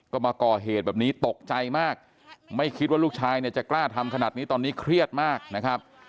ก็มาก่อเหตุแบบนี้ตกใจมากไม่คิดว่าลูกชายเนี่ยจะกล้าทำขนาดนี้ตอนนี้เครียดมากนะครับ